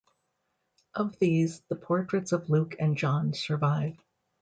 Of these the portraits of Luke and John survive.